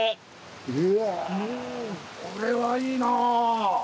うわこれはいいなぁ！